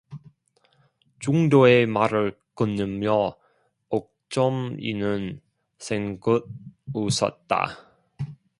중도에 말을 끊으며 옥점이는 생긋 웃었다.